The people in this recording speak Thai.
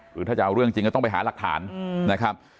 หรือถ้าจะเอาเรื่องจริงก็ต้องไปหาหลักฐานนะครับ